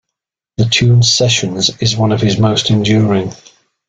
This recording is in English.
The tune "Sessions" is one of his most enduring.